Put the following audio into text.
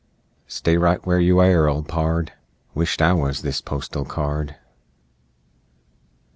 Stay right where you air, old pard. Wisht I wuz this postal card!"